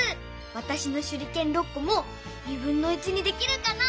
わたしのしゅりけん６こもにできるかな？